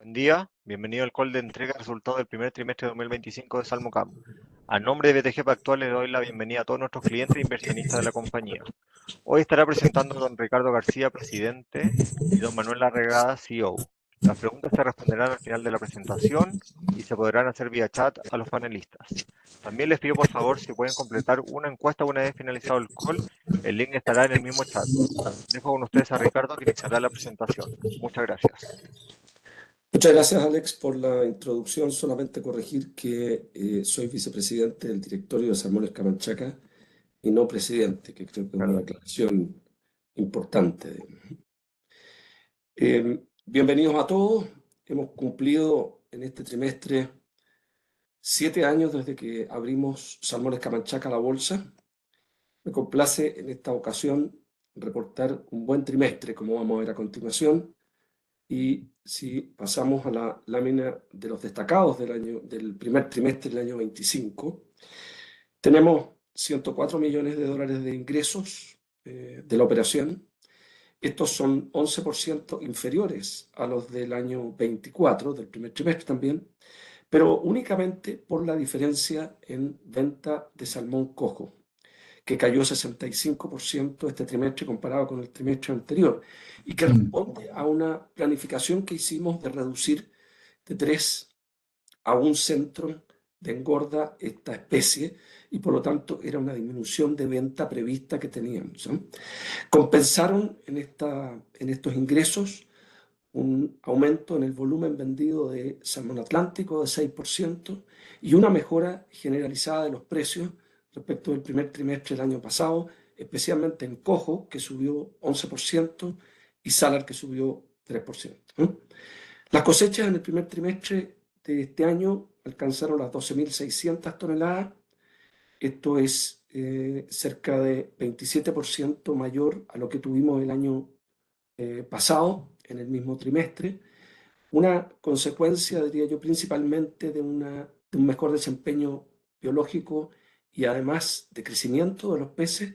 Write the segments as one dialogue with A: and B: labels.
A: Buenos días, bienvenidos al call de entrega de resultados del primer trimestre de 2025 de Salmon Can. A nombre de BTG Pactual, les doy la bienvenida a todos nuestros clientes e inversionistas de la compañía. Hoy estará presentando don Ricardo García, Presidente, y don Manuel Arriagada, CEO. Las preguntas se responderán al final de la presentación y se podrán hacer vía chat a los panelistas. También les pido, por favor, si pueden completar una encuesta una vez finalizado el call, el link estará en el mismo chat. También dejo con ustedes a Ricardo, quien iniciará la presentación. Muchas gracias.
B: Muchas gracias, Alex, por la introducción. Solamente corregir que soy Vicepresidente del Directorio de Salmones Camanchaca y no Presidente, que creo que es una declaración importante. Bienvenidos a todos. Hemos cumplido en este trimestre siete años desde que abrimos Salmones Camanchaca a la bolsa. Me complace en esta ocasión reportar un buen trimestre, como vamos a ver a continuación. Si pasamos a la lámina de los destacados del primer trimestre del año 2025, tenemos $104 millones de ingresos de la operación. Estos son 11% inferiores a los del año 2024, del primer trimestre también, pero únicamente por la diferencia en venta de salmón coho, que cayó 65% este trimestre comparado con el trimestre anterior, y que responde a una planificación que hicimos de reducir de tres a un centro de engorda esta especie, y por lo tanto era una disminución de venta prevista que teníamos. Compensaron en estos ingresos un aumento en el volumen vendido de salmón atlántico de 6% y una mejora generalizada de los precios respecto del primer trimestre del año pasado, especialmente en coho, que subió 11%, y salar que subió 3%. Las cosechas en el primer trimestre de este año alcanzaron las 12,600 toneladas. Esto es cerca de 27% mayor a lo que tuvimos el año pasado en el mismo trimestre. Una consecuencia, diría yo, principalmente de un mejor desempeño biológico y además de crecimiento de los peces,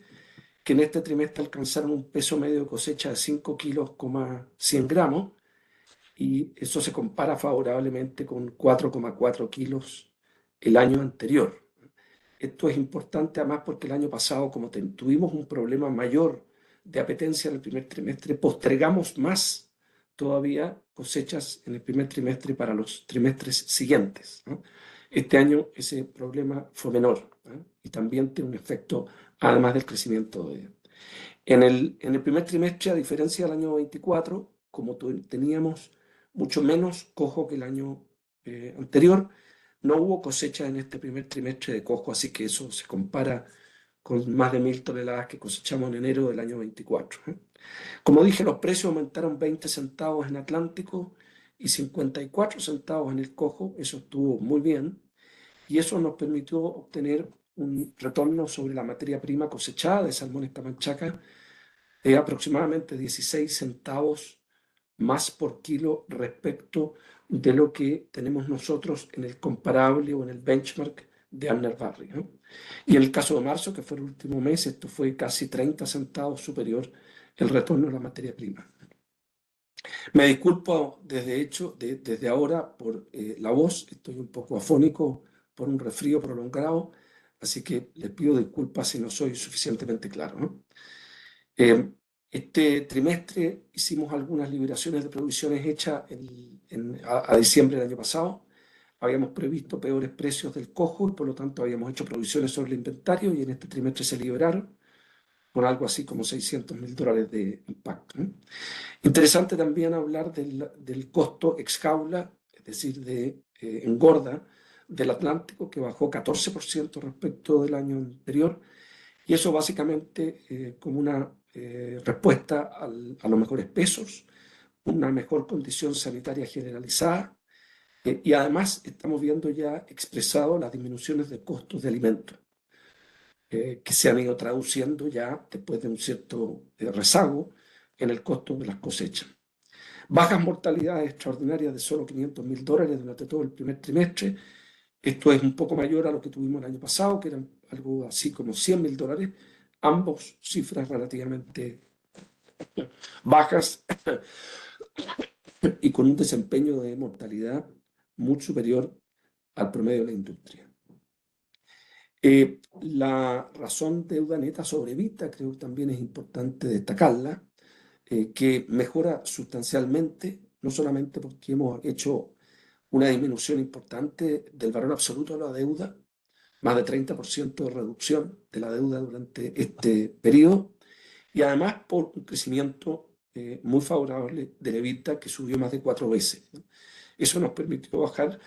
B: que en este trimestre alcanzaron un peso medio de cosecha de 5 kilos, 100 gramos, y eso se compara favorablemente con 4.4 kilos el año anterior. Esto es importante, además, porque el año pasado, como tuvimos un problema mayor de apetencia en el primer trimestre, postergamos más todavía cosechas en el primer trimestre para los trimestres siguientes. Este año ese problema fue menor y también tiene un efecto, además del crecimiento. En el primer trimestre, a diferencia del año 2024, como teníamos mucho menos cojo que el año anterior, no hubo cosecha en este primer trimestre de cojo, así que eso se compara con más de 1,000 toneladas que cosechamos en enero del año 2024. Como dije, los precios aumentaron $0.20 en atlántico y $0.54 en el cojo, eso estuvo muy bien, y eso nos permitió obtener un retorno sobre la materia prima cosechada de salmones Camanchaca, aproximadamente $0.16 más por kilo respecto de lo que tenemos nosotros en el comparable o en el benchmark de Urner Barry. En el caso de marzo, que fue el último mes, esto fue casi $0.30 superior el retorno de la materia prima. Me disculpo desde ahora por la voz, estoy un poco afónico por un resfriado prolongado, así que les pido disculpas si no soy suficientemente claro. Este trimestre hicimos algunas liberaciones de producciones hechas a diciembre del año pasado. Habíamos previsto peores precios del cobre y, por lo tanto, habíamos hecho producciones sobre el inventario y en este trimestre se liberaron con algo así como $600,000 de impacto. Interesante también hablar del costo ex jaula, es decir, de engorda del atlántico, que bajó 14% respecto del año anterior, y eso básicamente como una respuesta a los mejores pesos, una mejor condición sanitaria generalizada, y además estamos viendo ya expresado las disminuciones de costos de alimento, que se han ido traduciendo ya después de un cierto rezago en el costo de las cosechas. Bajas mortalidades extraordinarias de solo $500,000 durante todo el primer trimestre. Esto es un poco mayor a lo que tuvimos el año pasado, que eran algo así como $100,000, ambas cifras relativamente bajas y con un desempeño de mortalidad muy superior al promedio de la industria. La razón deuda neta sobre EBITDA, creo que también es importante destacarla, que mejora sustancialmente, no solamente porque hemos hecho una disminución importante del valor absoluto de la deuda, más de 30% de reducción de la deuda durante este período, y además por un crecimiento muy favorable del EBITDA, que subió más de cuatro veces. Eso nos permitió bajar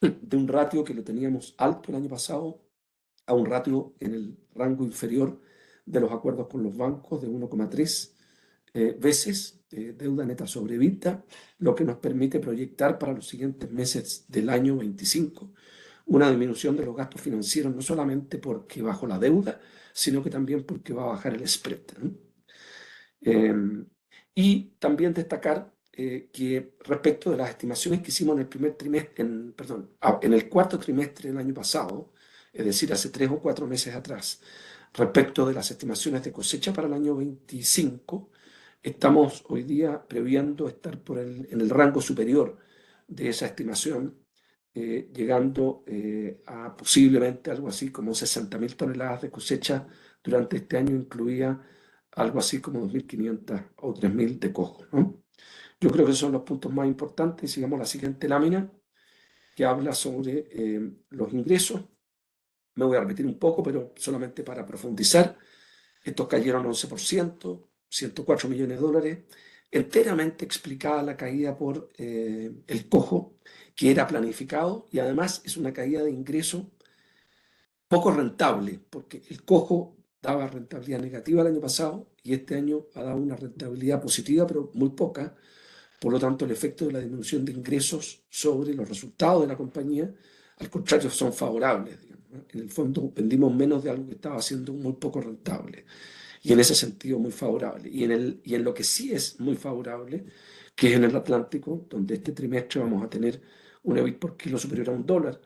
B: de un ratio que lo teníamos alto el año pasado a un ratio en el rango inferior de los acuerdos con los bancos de 1,3 veces de deuda neta sobre EBITDA, lo que nos permite proyectar para los siguientes meses del año 2025 una disminución de los gastos financieros, no solamente porque bajó la deuda, sino que también porque va a bajar el spread. También destacar que respecto de las estimaciones que hicimos en el cuarto trimestre del año pasado, es decir, hace tres o cuatro meses atrás, respecto de las estimaciones de cosecha para el año 2025, estamos hoy día previendo estar por el rango superior de esa estimación, llegando a posiblemente algo así como 60.000 toneladas de cosecha durante este año, incluida algo así como 2.500 o 3.000 de cacao. Yo creo que esos son los puntos más importantes. Sigamos la siguiente lámina, que habla sobre los ingresos. Me voy a repetir un poco, pero solamente para profundizar. Estos cayeron 11%, $104 millones. Enteramente explicada la caída por el coho, que era planificado, y además es una caída de ingreso poco rentable, porque el coho daba rentabilidad negativa el año pasado y este año ha dado una rentabilidad positiva, pero muy poca. Por lo tanto, el efecto de la disminución de ingresos sobre los resultados de la compañía, al contrario, son favorables. En el fondo vendimos menos de algo que estaba siendo muy poco rentable, y en ese sentido muy favorable. Y en lo que sí es muy favorable, que es en el atlántico, donde este trimestre vamos a tener un EBIT por kilo superior a $1,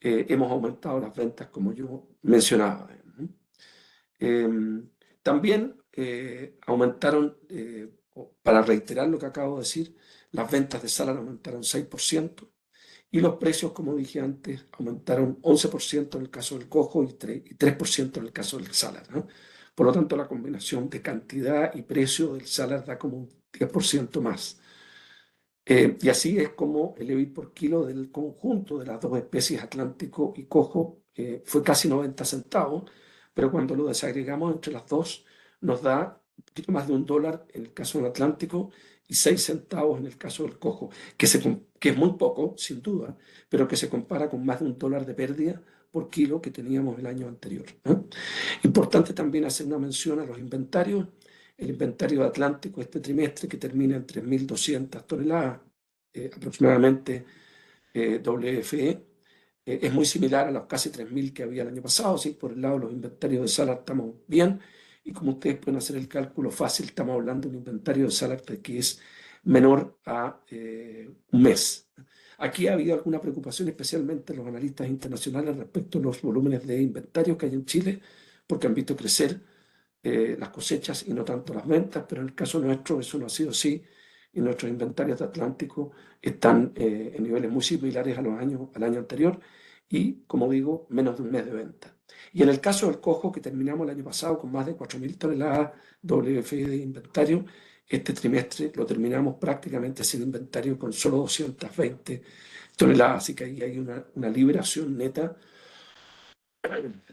B: hemos aumentado las ventas, como yo mencionaba. También aumentaron, para reiterar lo que acabo de decir, las ventas de salar aumentaron 6%, y los precios, como dije antes, aumentaron 11% en el caso del coho y 3% en el caso del salar. Por lo tanto, la combinación de cantidad y precio del salar da como un 10% más. Y así es como el EBIT por kilo del conjunto de las dos especies, atlántico y coho, fue casi 90 centavos, pero cuando lo desagregamos entre las dos, nos da un poquito más de un dólar en el caso del atlántico y 6 centavos en el caso del coho, que es muy poco, sin duda, pero que se compara con más de un dólar de pérdida por kilo que teníamos el año anterior. Importante también hacer una mención a los inventarios. El inventario de atlántico este trimestre, que termina en 3,200 toneladas, aproximadamente WFE, es muy similar a las casi 3,000 que había el año pasado. Si por el lado de los inventarios de salar estamos bien, y como ustedes pueden hacer el cálculo fácil, estamos hablando de un inventario de salar que es menor a un mes. Aquí ha habido alguna preocupación, especialmente los analistas internacionales, respecto a los volúmenes de inventarios que hay en Chile, porque han visto crecer las cosechas y no tanto las ventas, pero en el caso nuestro eso no ha sido así, y nuestros inventarios de atlántico están en niveles muy similares al año anterior, y como digo, menos de un mes de venta. Y en el caso del coco, que terminamos el año pasado con más de 4,000 toneladas WFE de inventario, este trimestre lo terminamos prácticamente sin inventario, con solo 220 toneladas, así que ahí hay una liberación neta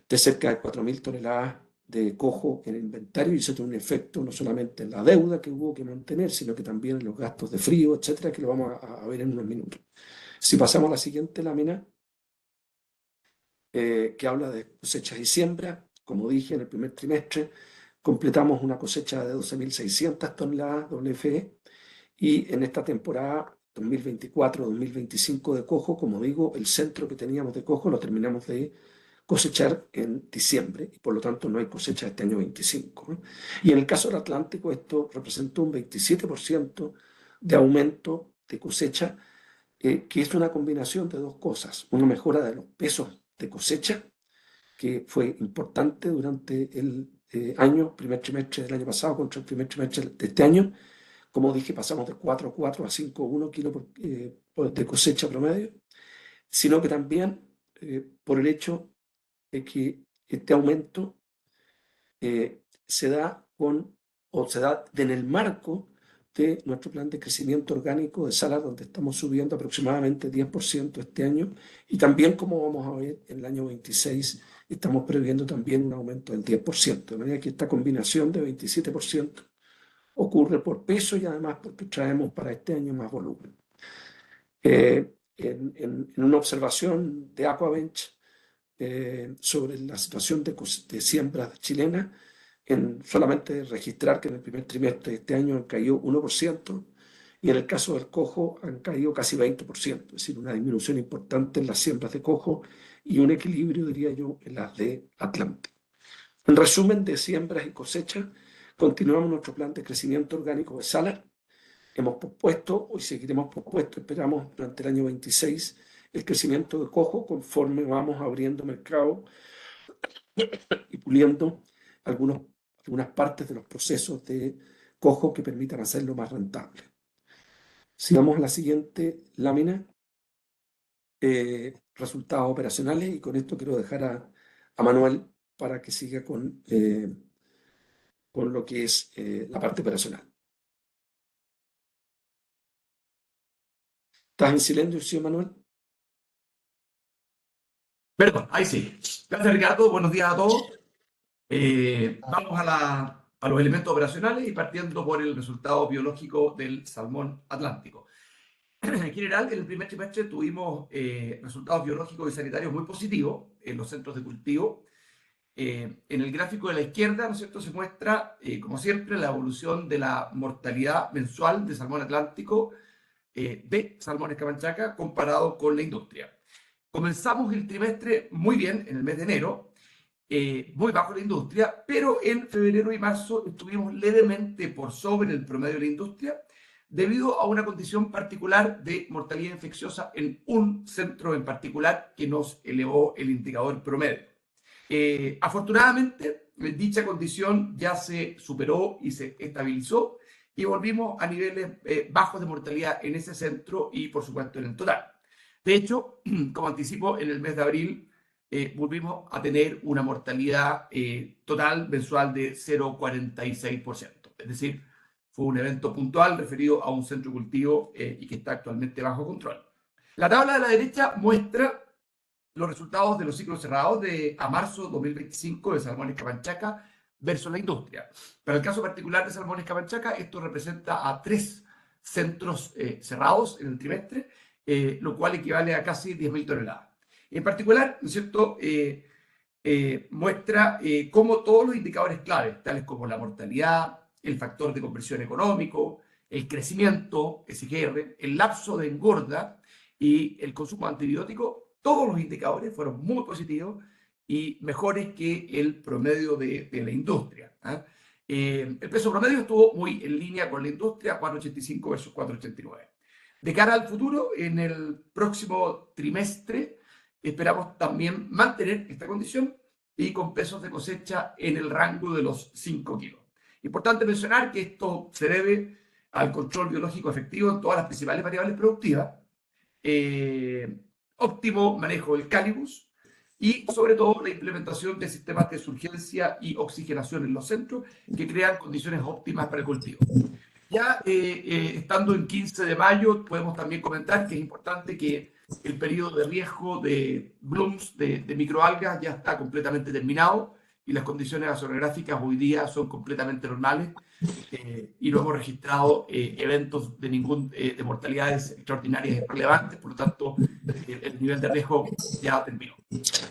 B: de cerca de 4,000 toneladas de coco en el inventario, y eso tiene un efecto no solamente en la deuda que hubo que mantener, sino que también en los gastos de frío, etcétera, que lo vamos a ver en unos minutos. Si pasamos a la siguiente lámina, que habla de cosechas y siembra, como dije, en el primer trimestre completamos una cosecha de 12,600 toneladas WFE, y en esta temporada 2024-2025 de coco, como digo, el centro que teníamos de coco lo terminamos de cosechar en diciembre, y por lo tanto no hay cosecha este año 2025. Y en el caso del Atlántico, esto representa un 27% de aumento de cosecha, que es una combinación de dos cosas. Una mejora de los pesos de cosecha, que fue importante durante el primer trimestre del año pasado contra el primer trimestre de este año. Como dije, pasamos de 4,4 a 5,1 kilos de cosecha promedio, sino que también por el hecho de que este aumento se da con o se da en el marco de nuestro plan de crecimiento orgánico de salar, donde estamos subiendo aproximadamente 10% este año, y también, como vamos a ver en el año 2026, estamos previendo también un aumento del 10%. De manera que esta combinación de 27% ocurre por peso y además porque traemos para este año más volumen. En una observación de Aquabench sobre la situación de siembras chilenas, solamente registrar que en el primer trimestre de este año han caído 1%, y en el caso del coho han caído casi 20%, es decir, una disminución importante en las siembras de coho y un equilibrio, diría yo, en las de atlántico. En resumen de siembras y cosecha, continuamos nuestro plan de crecimiento orgánico de salar, hemos propuesto y seguiremos propuesto, esperamos durante el año 26, el crecimiento de coho conforme vamos abriendo mercado y puliendo algunas partes de los procesos de coho que permitan hacerlo más rentable. Sigamos a la siguiente lámina, resultados operacionales, y con esto quiero dejar a Manuel para que siga con lo que es la parte operacional. ¿Estás en silencio, Manuel? Perdón, ahí sí. Gracias, Ricardo, buenos días a todos. Vamos a los elementos operacionales y partiendo por el resultado biológico del salmón atlántico. En general, en el primer trimestre tuvimos resultados biológicos y sanitarios muy positivos en los centros de cultivo. En el gráfico de la izquierda se muestra, como siempre, la evolución de la mortalidad mensual de salmón atlántico de Salmones Camanchaca comparado con la industria. Comenzamos el trimestre muy bien en el mes de enero, muy bajo la industria, pero en febrero y marzo estuvimos levemente por sobre el promedio de la industria debido a una condición particular de mortalidad infecciosa en un centro en particular que nos elevó el indicador promedio. Afortunadamente, dicha condición ya se superó y se estabilizó, y volvimos a niveles bajos de mortalidad en ese centro y, por supuesto, en el total. De hecho, como anticipo, en el mes de abril volvimos a tener una mortalidad total mensual de 0.46%. Es decir, fue un evento puntual referido a un centro de cultivo y que está actualmente bajo control. La tabla de la derecha muestra los resultados de los ciclos cerrados de marzo 2025 de salmones Camanchaca versus la industria. Para el caso particular de salmones Camanchaca, esto representa a tres centros cerrados en el trimestre, lo cual equivale a casi 10,000 toneladas. En particular, muestra cómo todos los indicadores clave, tales como la mortalidad, el factor de conversión económico, el crecimiento, el lapso de engorda y el consumo de antibiótico, todos los indicadores fueron muy positivos y mejores que el promedio de la industria. El peso promedio estuvo muy en línea con la industria, 4.85 versus 4.89. De cara al futuro, en el próximo trimestre esperamos también mantener esta condición y con pesos de cosecha en el rango de los 5 kilos. Importante mencionar que esto se debe al control biológico efectivo en todas las principales variables productivas, óptimo manejo del calibre y, sobre todo, la implementación de sistemas de surgencia y oxigenación en los centros que crean condiciones óptimas para el cultivo. Ya estando en 15 de mayo, podemos también comentar que es importante que el período de riesgo de blooms de microalgas ya está completamente terminado y las condiciones oceanográficas hoy día son completamente normales y no hemos registrado eventos de mortalidades extraordinarias relevantes, por lo tanto el nivel de riesgo ya terminó.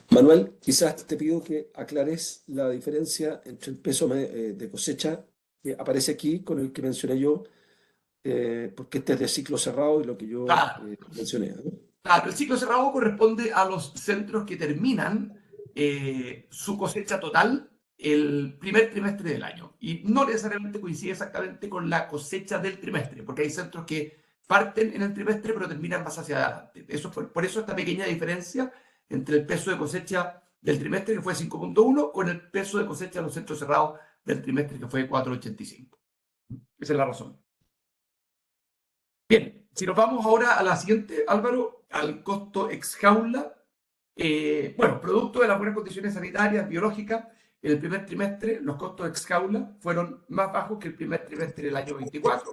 B: Manuel, quizás te pido que aclares la diferencia entre el peso de cosecha que aparece aquí con el que mencioné yo, porque este es de ciclo cerrado y lo que yo mencioné. Claro, el ciclo cerrado corresponde a los centros que terminan su cosecha total el primer trimestre del año y no necesariamente coincide exactamente con la cosecha del trimestre, porque hay centros que parten en el trimestre, pero terminan más hacia adelante. Por eso esta pequeña diferencia entre el peso de cosecha del trimestre, que fue 5,1, con el peso de cosecha de los centros cerrados del trimestre, que fue 4,85. Esa es la razón. Bien, si nos vamos ahora a la siguiente, Álvaro, al costo ex jaula. Bueno, producto de las buenas condiciones sanitarias biológicas, en el primer trimestre los costos ex jaula fueron más bajos que el primer trimestre del año 2024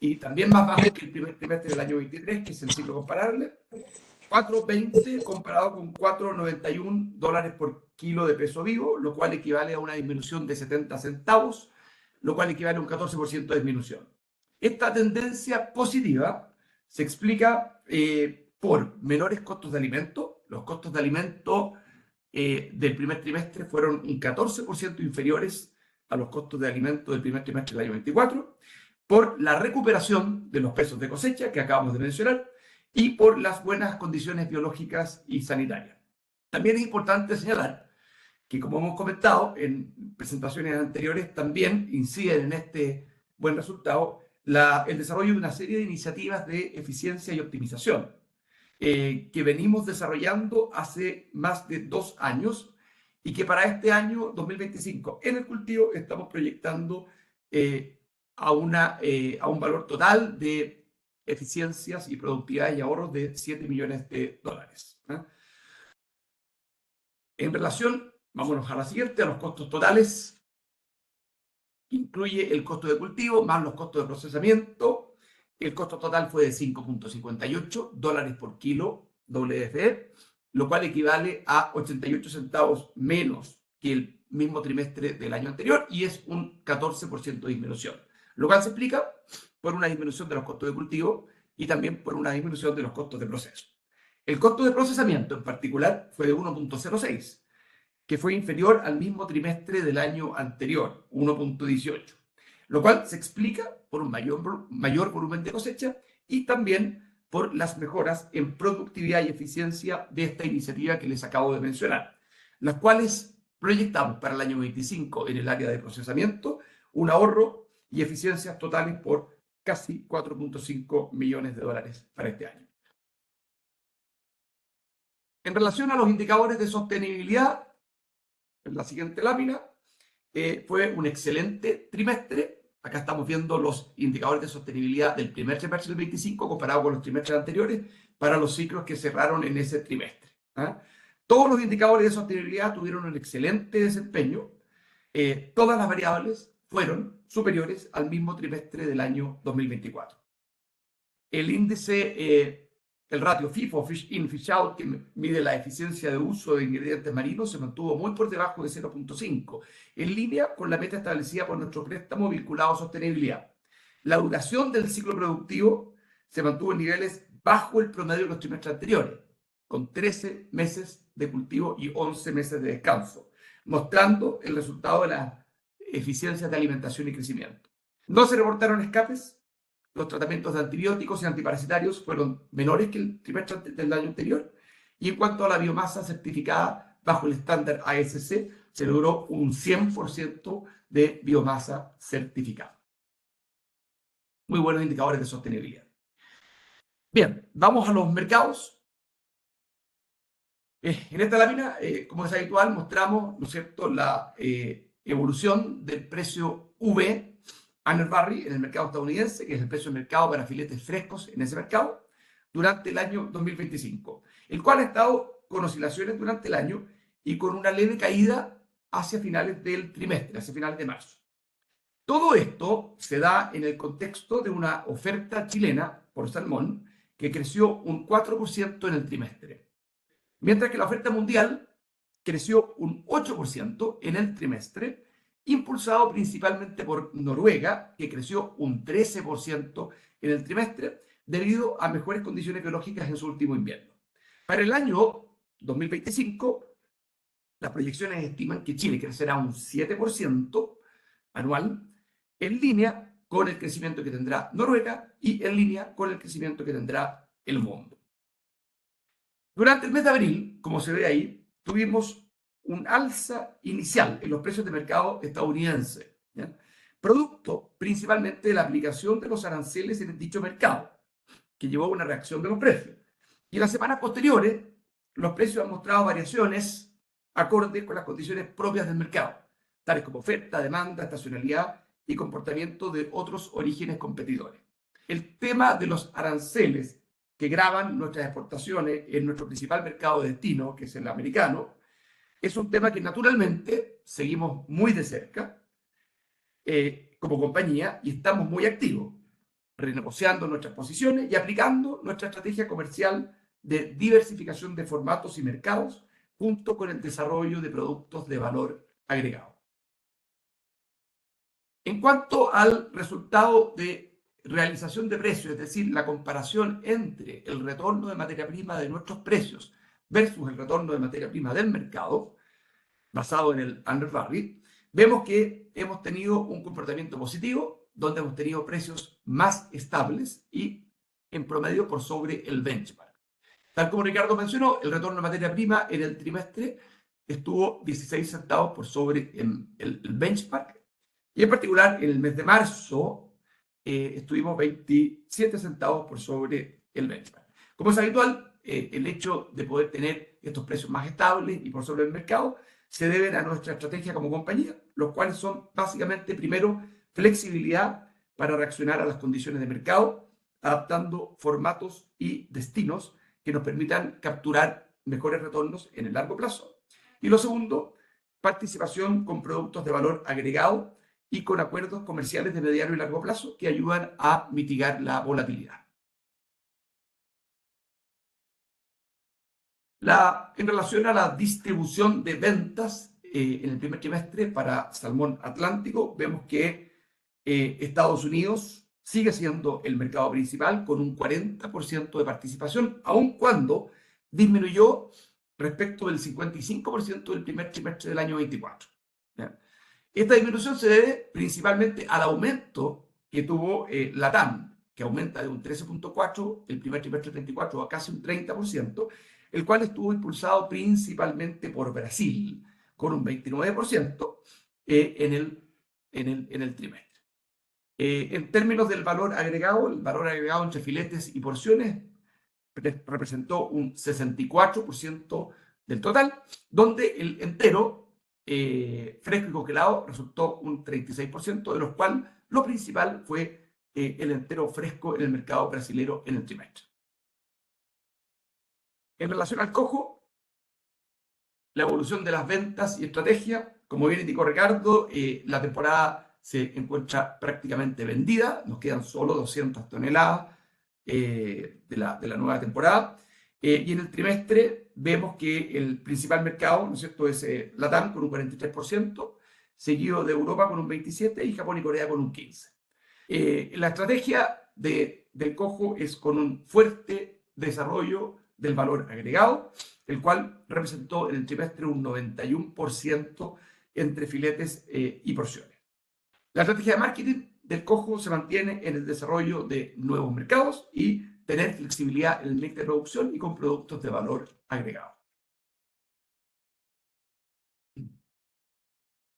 B: y también más bajos que el primer trimestre del año 2023, que es el ciclo comparable. $4.20 comparado con $4.91 por kilo de peso vivo, lo cual equivale a una disminución de 70 centavos, lo cual equivale a un 14% de disminución. Esta tendencia positiva se explica por menores costos de alimento. Los costos de alimento del primer trimestre fueron un 14% inferiores a los costos de alimento del primer trimestre del año 2024, por la recuperación de los pesos de cosecha que acabamos de mencionar y por las buenas condiciones biológicas y sanitarias. También es importante señalar que, como hemos comentado en presentaciones anteriores, también inciden en este buen resultado el desarrollo de una serie de iniciativas de eficiencia y optimización que venimos desarrollando hace más de dos años y que para este año 2025 en el cultivo estamos proyectando a un valor total de eficiencias y productividad y ahorro de $7 millones. En relación, vámonos a la siguiente, a los costos totales, que incluye el costo de cultivo más los costos de procesamiento. El costo total fue de $5.58 por kilo WFE, lo cual equivale a 88 centavos menos que el mismo trimestre del año anterior y es un 14% de disminución. Lo cual se explica por una disminución de los costos de cultivo y también por una disminución de los costos de proceso. El costo de procesamiento en particular fue de $1.06, que fue inferior al mismo trimestre del año anterior, $1.18, lo cual se explica por un mayor volumen de cosecha y también por las mejoras en productividad y eficiencia de esta iniciativa que les acabo de mencionar, las cuales proyectamos para el año 2025 en el área de procesamiento un ahorro y eficiencias totales por casi $4.5 millones para este año. En relación a los indicadores de sostenibilidad, en la siguiente lámina fue un excelente trimestre. Acá estamos viendo los indicadores de sostenibilidad del primer trimestre del 2025 comparado con los trimestres anteriores para los ciclos que cerraron en ese trimestre. Todos los indicadores de sostenibilidad tuvieron un excelente desempeño. Todas las variables fueron superiores al mismo trimestre del año 2024. El índice, el ratio FIFO, Fish In, Fish Out, que mide la eficiencia de uso de ingredientes marinos, se mantuvo muy por debajo de 0.5, en línea con la meta establecida por nuestro préstamo vinculado a sostenibilidad. La duración del ciclo productivo se mantuvo en niveles bajo el promedio de los trimestres anteriores, con 13 meses de cultivo y 11 meses de descanso, mostrando el resultado de las eficiencias de alimentación y crecimiento. No se reportaron escapes. Los tratamientos de antibióticos y antiparasitarios fueron menores que el trimestre del año anterior. En cuanto a la biomasa certificada bajo el estándar ASC, se logró un 100% de biomasa certificada. Muy buenos indicadores de sostenibilidad. Vamos a los mercados. En esta lámina, como es habitual, mostramos la evolución del precio Urner Barry en el mercado estadounidense, que es el precio de mercado para filetes frescos en ese mercado durante el año 2025, el cual ha estado con oscilaciones durante el año y con una leve caída hacia finales del trimestre, hacia finales de marzo. Todo esto se da en el contexto de una oferta chilena por salmón que creció un 4% en el trimestre, mientras que la oferta mundial creció un 8% en el trimestre, impulsado principalmente por Noruega, que creció un 13% en el trimestre debido a mejores condiciones biológicas en su último invierno. Para el año 2025, las proyecciones estiman que Chile crecerá un 7% anual, en línea con el crecimiento que tendrá Noruega y en línea con el crecimiento que tendrá el mundo. Durante el mes de abril, como se ve ahí, tuvimos un alza inicial en los precios de mercado estadounidense, producto principalmente de la aplicación de los aranceles en dicho mercado, que llevó a una reacción de los precios. En las semanas posteriores, los precios han mostrado variaciones acorde con las condiciones propias del mercado, tales como oferta, demanda, estacionalidad y comportamiento de otros orígenes competidores. El tema de los aranceles que gravan nuestras exportaciones en nuestro principal mercado de destino, que es el americano, es un tema que naturalmente seguimos muy de cerca como compañía y estamos muy activos renegociando nuestras posiciones y aplicando nuestra estrategia comercial de diversificación de formatos y mercados, junto con el desarrollo de productos de valor agregado. En cuanto al resultado de realización de precios, es decir, la comparación entre el retorno de materia prima de nuestros precios versus el retorno de materia prima del mercado, basado en el Urner Barry, vemos que hemos tenido un comportamiento positivo, donde hemos tenido precios más estables y en promedio por sobre el benchmark. Tal como Ricardo mencionó, el retorno de materia prima en el trimestre estuvo 16 centavos por sobre el benchmark y, en particular, en el mes de marzo estuvimos 27 centavos por sobre el benchmark. Como es habitual, el hecho de poder tener estos precios más estables y por sobre el mercado se debe a nuestra estrategia como compañía, los cuales son básicamente primero flexibilidad para reaccionar a las condiciones de mercado, adaptando formatos y destinos que nos permitan capturar mejores retornos en el largo plazo. Y lo segundo, participación con productos de valor agregado y con acuerdos comerciales de mediano y largo plazo que ayudan a mitigar la volatilidad. En relación a la distribución de ventas en el primer trimestre para salmón atlántico, vemos que Estados Unidos sigue siendo el mercado principal con un 40% de participación, aun cuando disminuyó respecto del 55% del primer trimestre del año 2024. Esta disminución se debe principalmente al aumento que tuvo la TAM, que aumenta de un 13.4% el primer trimestre del 24 a casi un 30%, el cual estuvo impulsado principalmente por Brasil con un 29% en el trimestre. En términos del valor agregado, el valor agregado entre filetes y porciones representó un 64% del total, donde el entero fresco y congelado resultó un 36%, de los cuales lo principal fue el entero fresco en el mercado brasilero en el trimestre. En relación al cojo, la evolución de las ventas y estrategia, como bien indicó Ricardo, la temporada se encuentra prácticamente vendida, nos quedan solo 200 toneladas de la nueva temporada. En el trimestre vemos que el principal mercado es la TAM con un 43%, seguido de Europa con un 27% y Japón y Corea con un 15%. La estrategia del cojo es con un fuerte desarrollo del valor agregado, el cual representó en el trimestre un 91% entre filetes y porciones. La estrategia de marketing del cojo se mantiene en el desarrollo de nuevos mercados y tener flexibilidad en el mix de producción y con productos de valor agregado.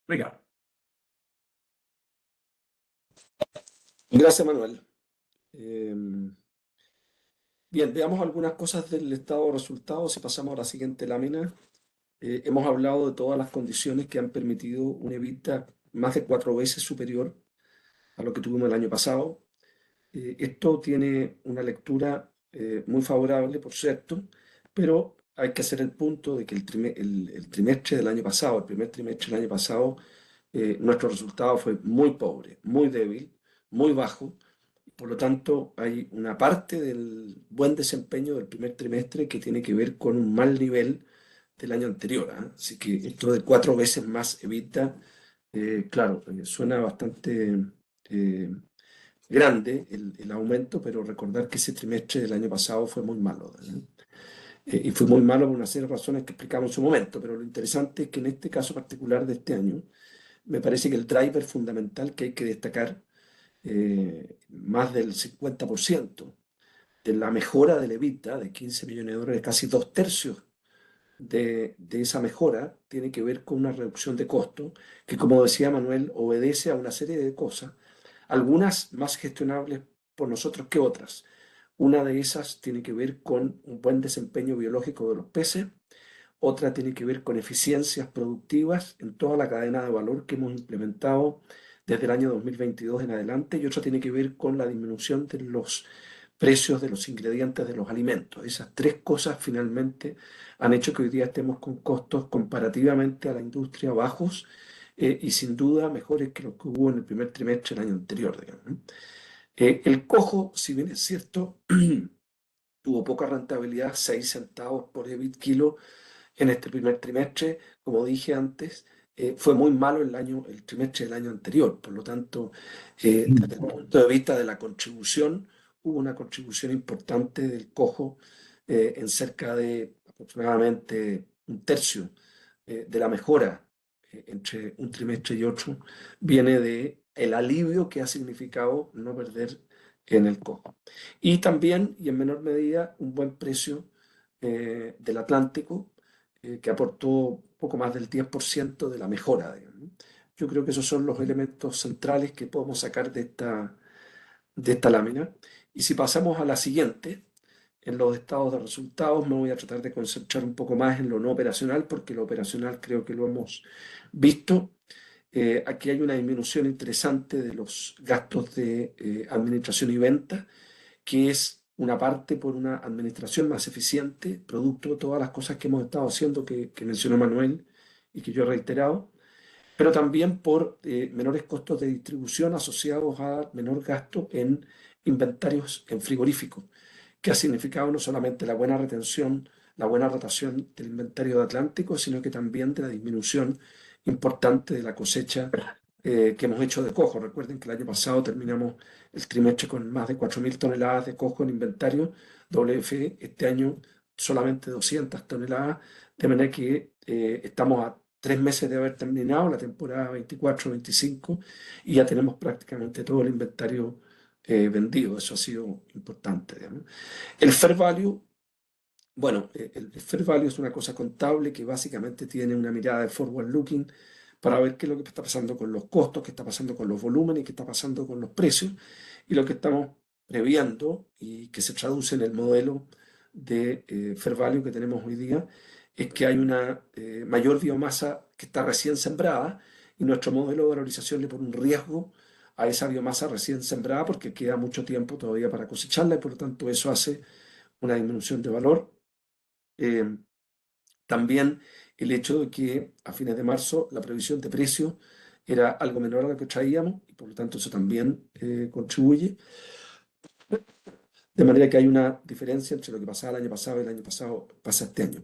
B: Ricardo. Gracias, Manuel. Bien, veamos algunas cosas del estado de resultados. Si pasamos a la siguiente lámina, hemos hablado de todas las condiciones que han permitido un EBITDA más de cuatro veces superior a lo que tuvimos el año pasado. Esto tiene una lectura muy favorable, por cierto, pero hay que hacer el punto de que el trimestre del año pasado, el primer trimestre del año pasado, nuestro resultado fue muy pobre, muy débil, muy bajo. Por lo tanto, hay una parte del buen desempeño del primer trimestre que tiene que ver con un mal nivel del año anterior. Así que esto de cuatro veces más EBITDA, claro, suena bastante grande el aumento, pero recordar que ese trimestre del año pasado fue muy malo y fue muy malo por una serie de razones que explicamos en su momento. Pero lo interesante es que en este caso particular de este año me parece que el driver fundamental que hay que destacar, más del 50% de la mejora del EBITDA de $15 millones, casi dos tercios de esa mejora, tiene que ver con una reducción de costos que, como decía Manuel, obedece a una serie de cosas, algunas más gestionables por nosotros que otras. Una de esas tiene que ver con un buen desempeño biológico de los peces, otra tiene que ver con eficiencias productivas en toda la cadena de valor que hemos implementado desde el año 2022 en adelante, y otra tiene que ver con la disminución de los precios de los ingredientes de los alimentos. Esas tres cosas finalmente han hecho que hoy día estemos con costos comparativamente a la industria bajos y, sin duda, mejores que los que hubo en el primer trimestre del año anterior. El salmón coho, si bien es cierto, tuvo poca rentabilidad, 6 centavos por EBIT kilo en este primer trimestre. Como dije antes, fue muy malo el trimestre del año anterior. Por lo tanto, desde el punto de vista de la contribución, hubo una contribución importante del cobre en cerca de aproximadamente un tercio de la mejora entre un trimestre y otro, viene del alivio que ha significado no perder en el cobre. También, y en menor medida, un buen precio del Atlántico que aportó poco más del 10% de la mejora. Creo que esos son los elementos centrales que podemos sacar de esta lámina. Si pasamos a la siguiente, en los estados de resultados, me voy a tratar de concentrar un poco más en lo no operacional, porque lo operacional creo que lo hemos visto. Aquí hay una disminución interesante de los gastos de administración y venta, que es una parte por una administración más eficiente, producto de todas las cosas que hemos estado haciendo que mencionó Manuel y que yo he reiterado, pero también por menores costos de distribución asociados a menor gasto en inventarios en frigorífico, que ha significado no solamente la buena retención, la buena rotación del inventario de Atlántico, sino que también de la disminución importante de la cosecha que hemos hecho de cojo. Recuerden que el año pasado terminamos el trimestre con más de 4,000 toneladas de cojo en inventario WFE, este año solamente 200 toneladas, de manera que estamos a tres meses de haber terminado la temporada 24-25 y ya tenemos prácticamente todo el inventario vendido. Eso ha sido importante. El fair value, bueno, el fair value es una cosa contable que básicamente tiene una mirada de forward looking para ver qué es lo que está pasando con los costos, qué está pasando con los volúmenes y qué está pasando con los precios. Y lo que estamos previendo y que se traduce en el modelo de fair value que tenemos hoy día es que hay una mayor biomasa que está recién sembrada y nuestro modelo de valorización le pone un riesgo a esa biomasa recién sembrada porque queda mucho tiempo todavía para cosecharla y, por lo tanto, eso hace una disminución de valor. También el hecho de que a fines de marzo la previsión de precio era algo menor a lo que traíamos y, por lo tanto, eso también contribuye, de manera que hay una diferencia entre lo que pasaba el año pasado y lo que pasa este año.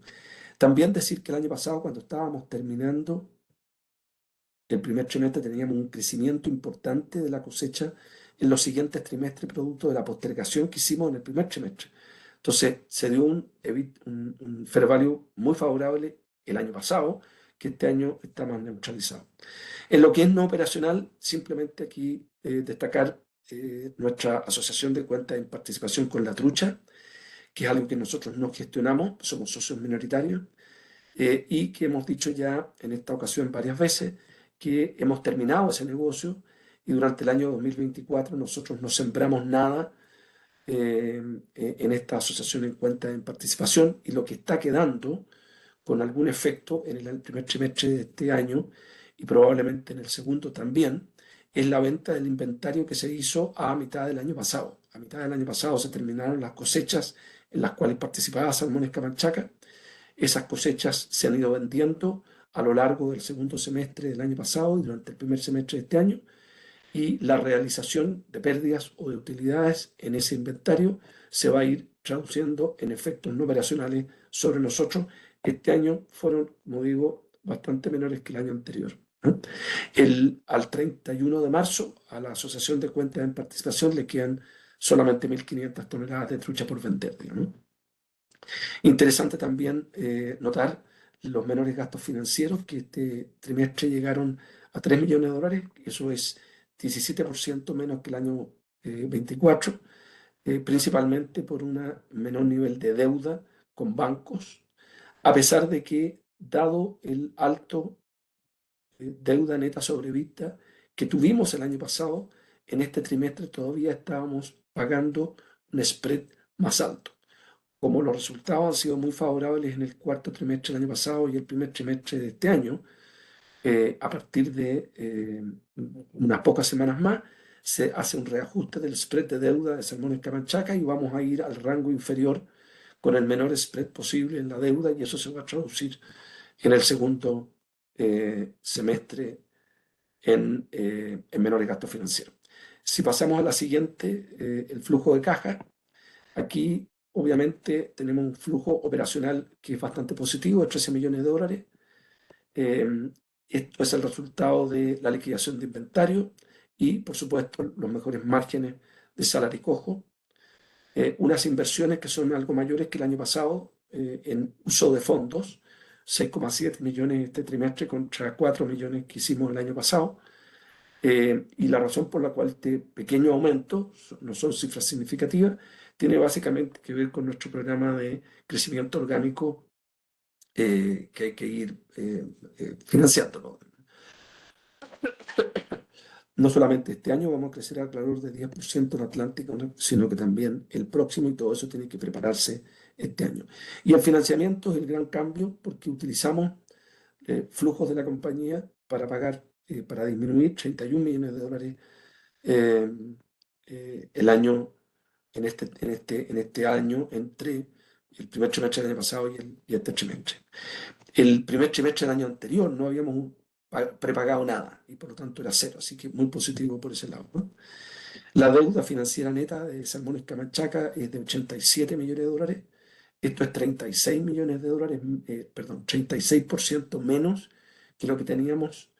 B: También decir que el año pasado, cuando estábamos terminando el primer trimestre, teníamos un crecimiento importante de la cosecha en los siguientes trimestres, producto de la postergación que hicimos en el primer trimestre. Entonces, se dio un fair value muy favorable el año pasado que este año está más neutralizado. En lo que es no operacional, simplemente aquí destacar nuestra asociación de cuentas en participación con La Trucha, que es algo que nosotros no gestionamos, somos socios minoritarios y que hemos dicho ya en esta ocasión varias veces que hemos terminado ese negocio y durante el año 2024 nosotros no sembramos nada en esta asociación en cuentas en participación. Y lo que está quedando con algún efecto en el primer trimestre de este año y probablemente en el segundo también, es la venta del inventario que se hizo a mitad del año pasado. A mitad del año pasado se terminaron las cosechas en las cuales participaba Salmones Camanchaca. Esas cosechas se han ido vendiendo a lo largo del segundo semestre del año pasado y durante el primer semestre de este año, y la realización de pérdidas o de utilidades en ese inventario se va a ir traduciendo en efectos no operacionales sobre nosotros. Este año fueron, como digo, bastante menores que el año anterior. Al 31 de marzo, a la asociación de cuentas en participación le quedan solamente 1,500 toneladas de trucha por vender. Interesante también notar los menores gastos financieros que este trimestre llegaron a $3 millones, que eso es 17% menos que el año 2024, principalmente por un menor nivel de deuda con bancos, a pesar de que, dado el alto deuda neta sobre EBITDA que tuvimos el año pasado, en este trimestre todavía estábamos pagando un spread más alto. Como los resultados han sido muy favorables en el cuarto trimestre del año pasado y el primer trimestre de este año, a partir de unas pocas semanas más se hace un reajuste del spread de deuda de Salmones Camanchaca y vamos a ir al rango inferior con el menor spread posible en la deuda, y eso se va a traducir en el segundo semestre en menores gastos financieros. Si pasamos a la siguiente, el flujo de caja, aquí obviamente tenemos un flujo operacional que es bastante positivo, de $13 millones. Esto es el resultado de la liquidación de inventario y, por supuesto, los mejores márgenes de salario y cojo. Unas inversiones que son algo mayores que el año pasado en uso de fondos, $6.7 millones este trimestre contra $4 millones que hicimos el año pasado. La razón por la cual este pequeño aumento, no son cifras significativas, tiene básicamente que ver con nuestro programa de crecimiento orgánico que hay que ir financiándolo. No solamente este año vamos a crecer alrededor del 10% en Atlántico, sino que también el próximo, y todo eso tiene que prepararse este año. Y el financiamiento es el gran cambio porque utilizamos flujos de la compañía para pagar, para disminuir $31 millones el año en este año entre el primer trimestre del año pasado y este trimestre. El primer trimestre del año anterior no habíamos prepagado nada y, por lo tanto, era cero, así que muy positivo por ese lado. La deuda financiera neta de Salmones Camanchaca es de $87 millones. Esto es $36 millones, perdón, 36% menos que lo que teníamos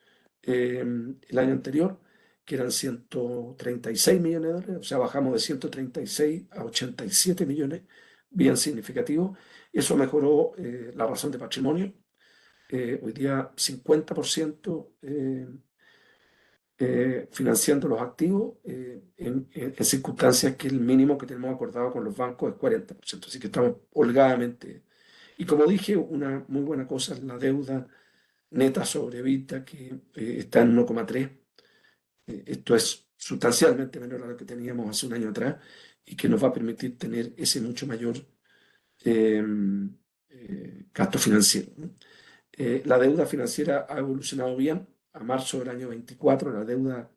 B: el año anterior, que eran $136 millones, o sea, bajamos de $136 a $87 millones, bien significativo. Eso mejoró la razón de patrimonio. Hoy día 50% financiando los activos en circunstancias que el mínimo que tenemos acordado con los bancos es 40%, así que estamos holgadamente. Y como dije, una muy buena cosa es la deuda neta sobre EBITDA que está en 1,3. Esto es sustancialmente menor a lo que teníamos hace un año atrás y que nos va a permitir tener ese mucho mayor gasto financiero. La deuda financiera ha evolucionado bien. A marzo del año 2024, la deuda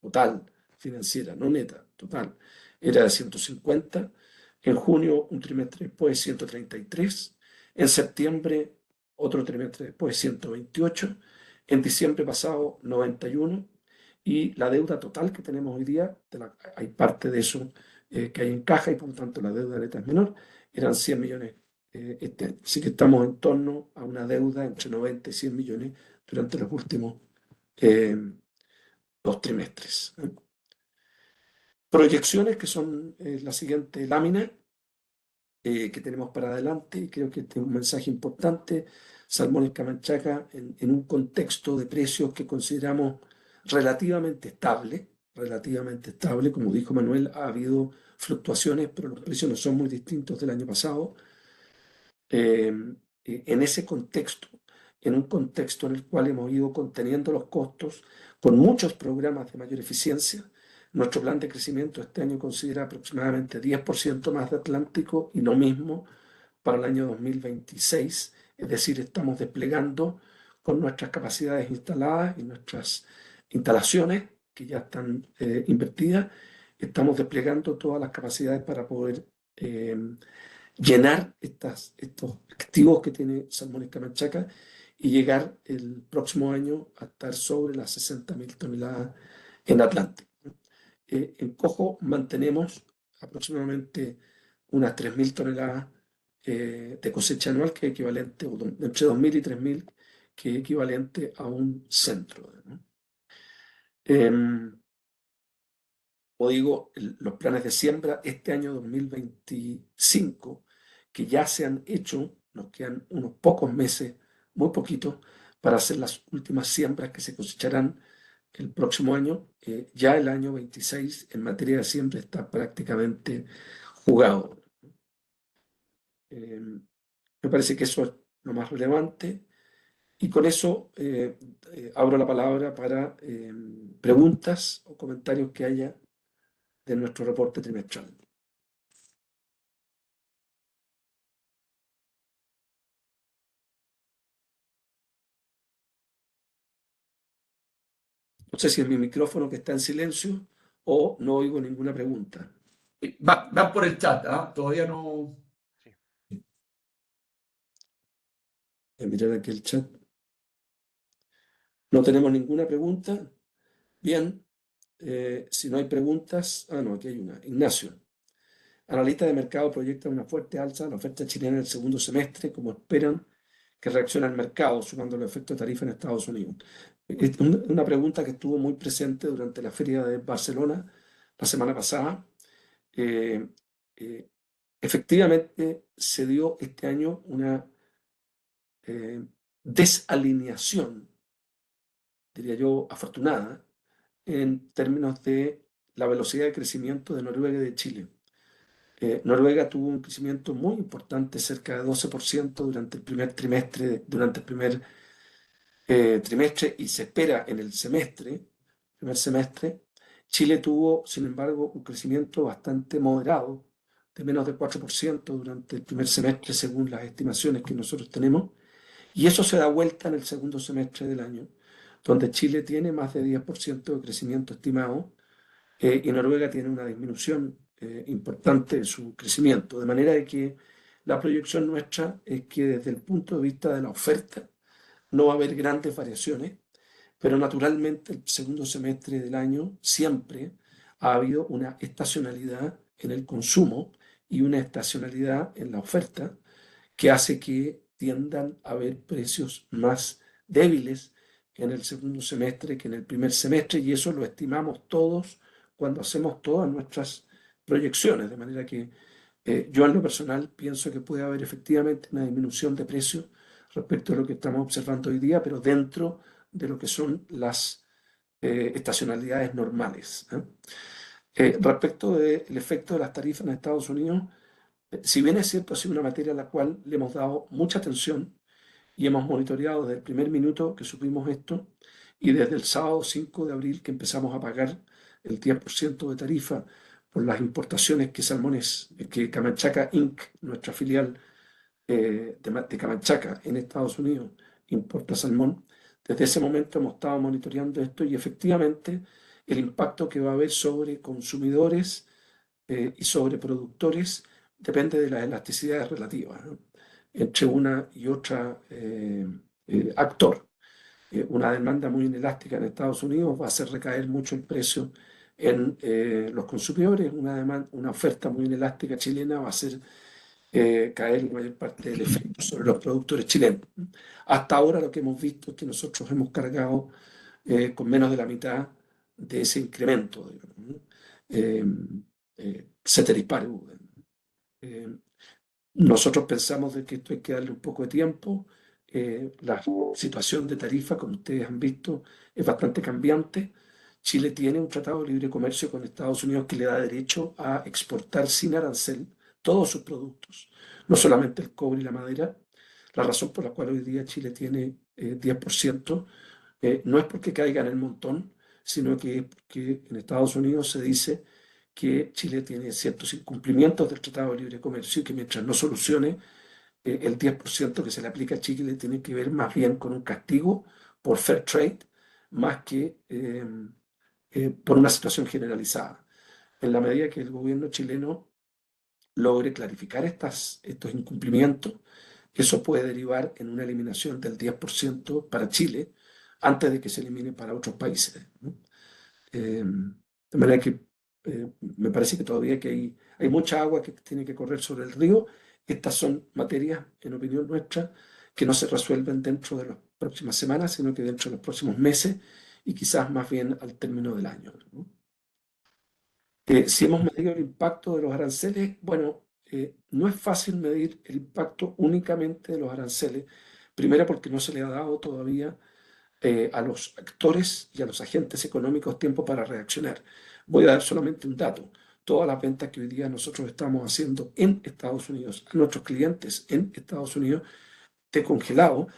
B: total financiera, no neta, total, era de $150 millones. En junio, un trimestre después, $133 millones. En septiembre, otro trimestre después, $128 millones. En diciembre pasado, $91 millones. Y la deuda total que tenemos hoy día, hay parte de eso que hay en caja y, por lo tanto, la deuda neta es menor, eran $100 millones este año. Así que estamos en torno a una deuda entre $90 y $100 millones durante los últimos dos trimestres. Proyecciones que son la siguiente lámina que tenemos para adelante y creo que tiene un mensaje importante. Salmones Camanchaca en un contexto de precios que consideramos relativamente estable, relativamente estable, como dijo Manuel, ha habido fluctuaciones, pero los precios no son muy distintos del año pasado. En ese contexto, en un contexto en el cual hemos ido conteniendo los costos con muchos programas de mayor eficiencia, nuestro plan de crecimiento este año considera aproximadamente 10% más de Atlántico y lo mismo para el año 2026. Es decir, estamos desplegando con nuestras capacidades instaladas y nuestras instalaciones que ya están invertidas, estamos desplegando todas las capacidades para poder llenar estos activos que tiene Salmones Camanchaca y llegar el próximo año a estar sobre las 60,000 toneladas en Atlántico. En coho mantenemos aproximadamente unas 3,000 toneladas de cosecha anual, que es equivalente o entre 2,000 y 3,000, que es equivalente a un centro. Como digo, los planes de siembra este año 2025, que ya se han hecho, nos quedan unos pocos meses, muy poquito, para hacer las últimas siembras que se cosecharán el próximo año. Ya el año 26 en materia de siembra está prácticamente jugado. Me parece que eso es lo más relevante. Con eso abro la palabra para preguntas o comentarios que haya de nuestro reporte trimestral. No sé si es mi micrófono que está en silencio o no oigo ninguna pregunta. Van por el chat, ¿verdad? Todavía no. Sí. Miren aquí el chat. No tenemos ninguna pregunta. Bien. Si no hay preguntas... No, aquí hay una. Ignacio. Analista de mercado proyecta una fuerte alza de la oferta chilena en el segundo semestre. ¿Cómo esperan que reaccione el mercado sumando el efecto tarifa en Estados Unidos? Una pregunta que estuvo muy presente durante la feria de Barcelona la semana pasada. Efectivamente, se dio este año una desalineación, diría yo, afortunada, en términos de la velocidad de crecimiento de Noruega y de Chile. Noruega tuvo un crecimiento muy importante, cerca de 12% durante el primer trimestre y se espera en el primer semestre. Chile tuvo, sin embargo, un crecimiento bastante moderado, de menos de 4% durante el primer semestre, según las estimaciones que nosotros tenemos. Y eso se da vuelta en el segundo semestre del año, donde Chile tiene más de 10% de crecimiento estimado y Noruega tiene una disminución importante de su crecimiento. De manera que la proyección nuestra es que desde el punto de vista de la oferta no va a haber grandes variaciones, pero naturalmente el segundo semestre del año siempre ha habido una estacionalidad en el consumo y una estacionalidad en la oferta que hace que tiendan a haber precios más débiles en el segundo semestre que en el primer semestre, y eso lo estimamos todos cuando hacemos todas nuestras proyecciones. De manera que yo, en lo personal, pienso que puede haber efectivamente una disminución de precios respecto a lo que estamos observando hoy día, pero dentro de lo que son las estacionalidades normales. Respecto del efecto de las tarifas en Estados Unidos, si bien es cierto ha sido una materia a la cual le hemos dado mucha atención y hemos monitoreado desde el primer minuto que supimos esto y desde el sábado 5 de abril que empezamos a pagar el 10% de tarifa por las importaciones que Salmones Camanchaca Inc., nuestra filial de Camanchaca en Estados Unidos, importa salmón. Desde ese momento hemos estado monitoreando esto y efectivamente el impacto que va a haber sobre consumidores y sobre productores depende de las elasticidades relativas entre uno y otro actor. Una demanda muy inelástica en Estados Unidos va a hacer recaer mucho el precio en los consumidores. Una oferta muy inelástica chilena va a hacer caer en mayor parte el efecto sobre los productores chilenos. Hasta ahora lo que hemos visto es que nosotros hemos cargado con menos de la mitad de ese incremento, ceteris paribus. Nosotros pensamos que esto hay que darle un poco de tiempo. La situación de tarifa, como ustedes han visto, es bastante cambiante. Chile tiene un tratado de libre comercio con Estados Unidos que le da derecho a exportar sin arancel todos sus productos, no solamente el cobre y la madera. La razón por la cual hoy día Chile tiene 10% no es porque caiga en el montón, sino que es porque en Estados Unidos se dice que Chile tiene ciertos incumplimientos del tratado de libre comercio y que mientras no solucione el 10% que se le aplica a Chile, tiene que ver más bien con un castigo por fair trade más que por una situación generalizada. En la medida que el gobierno chileno logre clarificar estos incumplimientos, eso puede derivar en una eliminación del 10% para Chile antes de que se elimine para otros países. De manera que me parece que todavía hay mucha agua que tiene que correr sobre el río. Estas son materias, en opinión nuestra, que no se resuelven dentro de las próximas semanas, sino que dentro de los próximos meses y quizás más bien al término del año. Si hemos medido el impacto de los aranceles, bueno, no es fácil medir el impacto únicamente de los aranceles. Primero, porque no se le ha dado todavía a los actores y a los agentes económicos tiempo para reaccionar. Voy a dar solamente un dato. Todas las ventas que hoy día nosotros estamos haciendo en Estados Unidos a nuestros clientes en Estados Unidos de congelado,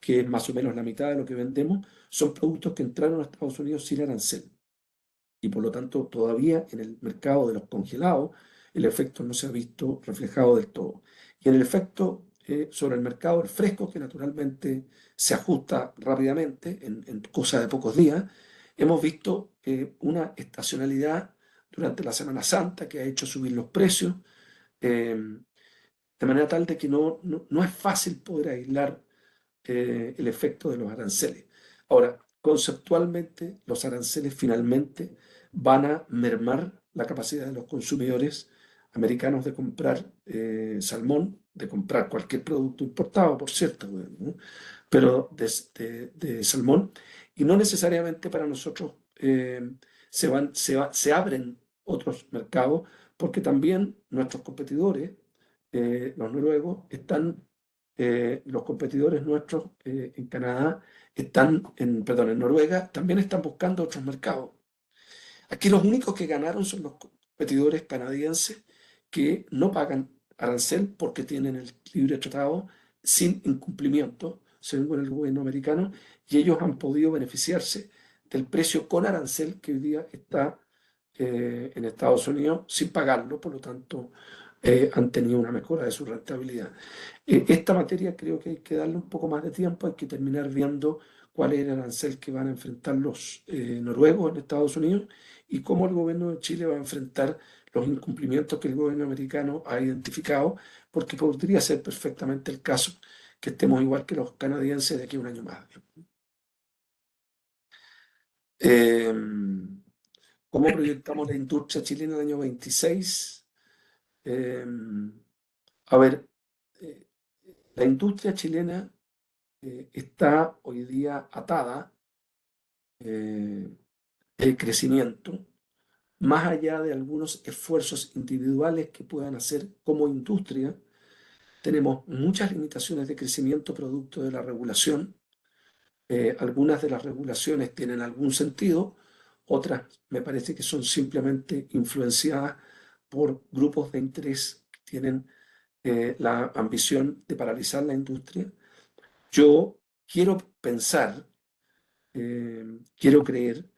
B: que es más o menos la mitad de lo que vendemos, son productos que entraron a Estados Unidos sin arancel. Por lo tanto, todavía en el mercado de los congelados, el efecto no se ha visto reflejado del todo. En el efecto sobre el mercado del fresco, que naturalmente se ajusta rápidamente en cosa de pocos días, hemos visto una estacionalidad durante la Semana Santa que ha hecho subir los precios, de manera tal que no es fácil poder aislar el efecto de los aranceles. Ahora, conceptualmente, los aranceles finalmente van a mermar la capacidad de los consumidores americanos de comprar salmón, de comprar cualquier producto importado, por cierto, pero de salmón. Y no necesariamente para nosotros se abren otros mercados, porque también nuestros competidores, los noruegos, están los competidores nuestros en Canadá, están en, perdón, en Noruega, también están buscando otros mercados. Aquí los únicos que ganaron son los competidores canadienses que no pagan arancel porque tienen el libre tratado sin incumplimiento, según el gobierno americano, y ellos han podido beneficiarse del precio con arancel que hoy día está en Estados Unidos sin pagarlo, por lo tanto han tenido una mejora de su rentabilidad. Esta materia creo que hay que darle un poco más de tiempo, hay que terminar viendo cuál es el arancel que van a enfrentar los noruegos en Estados Unidos y cómo el gobierno de Chile va a enfrentar los incumplimientos que el gobierno americano ha identificado, porque podría ser perfectamente el caso que estemos igual que los canadienses de aquí a un año más. ¿Cómo proyectamos la industria chilena en el año 2026? La industria chilena está hoy día atada al crecimiento. Más allá de algunos esfuerzos individuales que puedan hacer como industria, tenemos muchas limitaciones de crecimiento producto de la regulación. Algunas de las regulaciones tienen algún sentido, otras me parece que son simplemente influenciadas por grupos de interés que tienen la ambición de paralizar la industria. Yo quiero pensar, quiero creer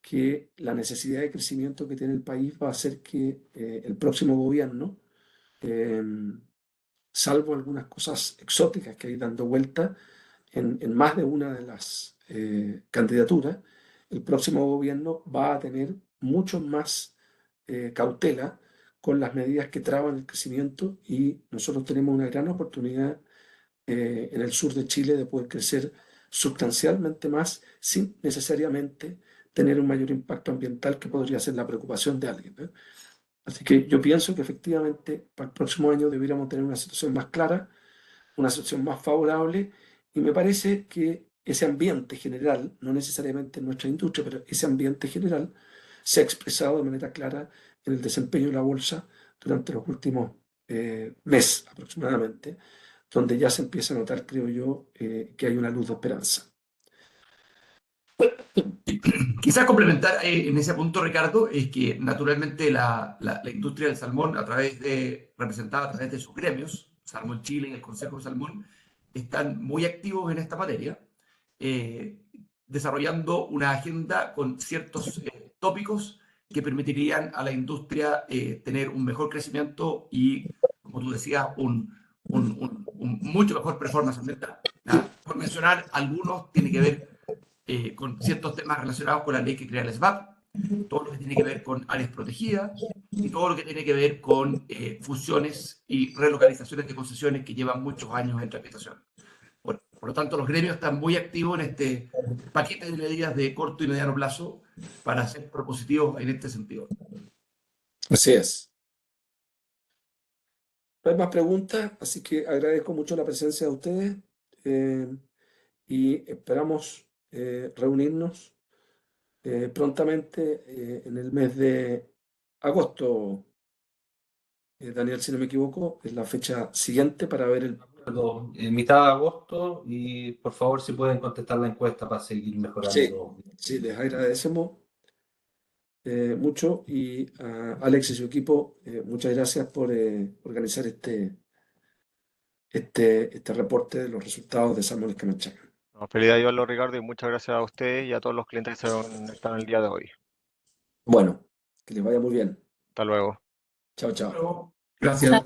B: que la necesidad de crecimiento que tiene el país va a hacer que el próximo gobierno, salvo algunas cosas exóticas que hay dando vuelta en más de una de las candidaturas, el próximo gobierno va a tener mucho más cautela con las medidas que traban el crecimiento y nosotros tenemos una gran oportunidad en el sur de Chile de poder crecer sustancialmente más sin necesariamente tener un mayor impacto ambiental que podría ser la preocupación de alguien. Así que yo pienso que efectivamente para el próximo año deberíamos tener una situación más clara, una situación más favorable y me parece que ese ambiente general, no necesariamente en nuestra industria, pero ese ambiente general se ha expresado de manera clara en el desempeño de la bolsa durante los últimos meses aproximadamente, donde ya se empieza a notar, creo yo, que hay una luz de esperanza. Quizás complementar en ese punto, Ricardo, es que naturalmente la industria del salmón representada a través de sus gremios, Salmón Chile y el Consejo de Salmón, están muy activos en esta materia, desarrollando una agenda con ciertos tópicos que permitirían a la industria tener un mejor crecimiento y, como tú decías, un mucho mejor desempeño ambiental. Por mencionar, algunos tienen que ver con ciertos temas relacionados con la ley que crea el SBAP, todo lo que tiene que ver con áreas protegidas y todo lo que tiene que ver con fusiones y relocalizaciones de concesiones que llevan muchos años en tramitación. Por lo tanto, los gremios están muy activos en este paquete de medidas de corto y mediano plazo para ser propositivos en este sentido. Así es. No hay más preguntas, así que agradezco mucho la presencia de ustedes y esperamos reunirnos prontamente en el mes de agosto. Daniel, si no me equivoco, es la fecha siguiente para ver el. A mitad de agosto y por favor si pueden contestar la encuesta para seguir mejorando. Sí, les agradecemos mucho y a Alex y su equipo, muchas gracias por organizar este reporte de los resultados de Salmones Camanchaca. Felicidades a Iván Lorricardo y muchas gracias a ustedes y a todos los clientes que están el día de hoy. Bueno, que les vaya muy bien. Hasta luego. Chao, chao. Gracias.